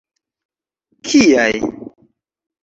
Kiaj?